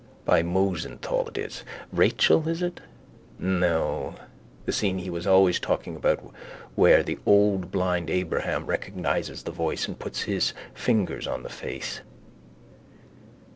By Mosenthal it is. Rachel, is it? No. The scene he was always talking about where the old blind Abraham recognises the voice and puts his fingers on his face.